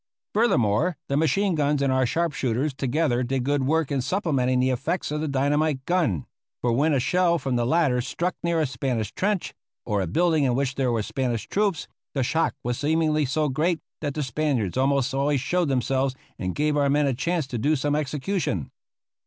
Furthermore, the machine guns and our sharp shooters together did good work in supplementing the effects of the dynamite gun; for when a shell from the latter struck near a Spanish trench, or a building in which there were Spanish troops, the shock was seemingly so great that the Spaniards almost always showed themselves, and gave our men a chance to do some execution.